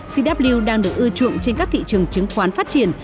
cw đang được ưa chuộng trên các thị trường chứng khoán phát triển